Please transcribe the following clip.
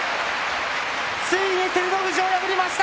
ついに照ノ富士を破りました。